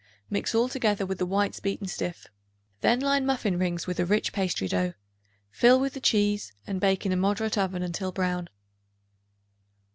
Mix all together with the whites beaten stiff; then line muffin rings with a rich pastry dough; fill with the cheese and bake in a moderate oven until brown.